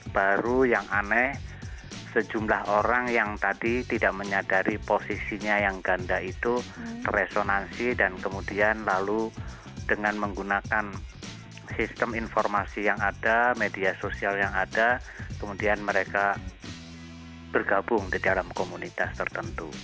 baru yang aneh sejumlah orang yang tadi tidak menyadari posisinya yang ganda itu terresonansi dan kemudian lalu dengan menggunakan sistem informasi yang ada media sosial yang ada kemudian mereka bergabung di dalam komunitas tertentu